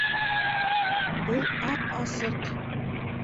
—Был ап-асыҡ!